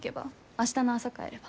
明日の朝帰れば？